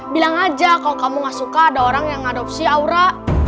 bilang aja kalau kamu gak suka ada orang yang mengadopsi aura